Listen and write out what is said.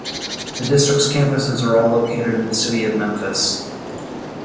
The district's campuses are all located in the city of Memphis.